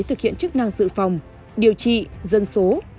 thực hiện chức năng dự phòng điều trị dân số